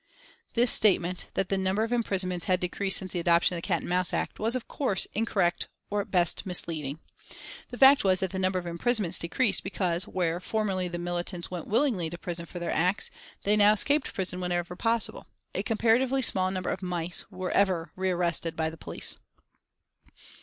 This statement, that the number of imprisonments had decreased since the adoption of the Cat and Mouse Act, was of course, incorrect, or at best misleading. The fact was that the number of imprisonments decreased because, where formerly the militants went willingly to prison for their acts, they now escaped prison wherever possible. A comparatively small number of "mice" were ever rearrested by the police.